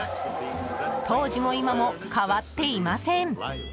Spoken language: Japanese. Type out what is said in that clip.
当時も今も変わっていません。